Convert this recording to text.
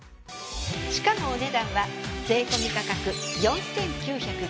しかもお値段は税込み価格。